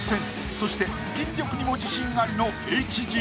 そして筋力にも自信ありのＨＧ。